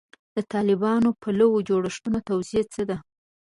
د طالب پالو جوړښتونو توضیح څه ده.